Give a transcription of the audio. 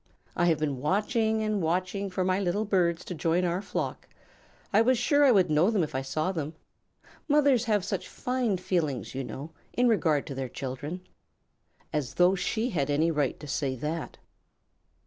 I have been watching and watching for my little birds to join our flock; I was sure I should know them if I saw them. Mothers have such fine feelings, you know, in regard to their children." (As though she had any right to say that!)